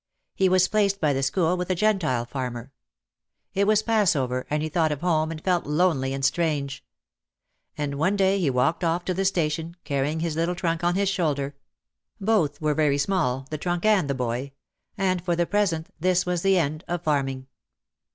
He was placed by the school with a Gentile farmer. It was Passover and he thought of home and felt lonely and strange. And one day he walked off to the station, carrying his little trunk on his shoulder — both were very 312 OUT OF THE SHADOW small, the trunk and the boy — and for the present this was the end of farming.